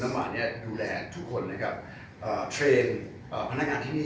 นี่ใช่หอกับให้ลูกค้าต้องเยอะเยาะอยู่แล้ว